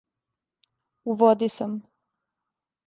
У води сам.